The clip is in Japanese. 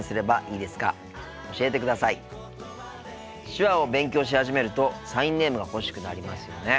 手話を勉強し始めるとサインネームが欲しくなりますよね。